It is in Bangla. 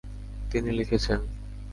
তিনি লিখেছেন